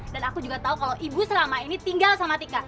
dan aku juga tahu kalau ibu selama ini tinggal sama tika